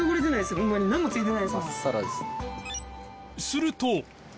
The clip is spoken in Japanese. すると